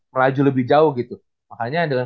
melaju lebih jauh gitu makanya adalah